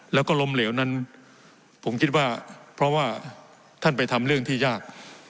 แล้วก็ล้มเหลวนั้นผมคิดว่าเพราะว่าท่านไปทำเรื่องที่ยาก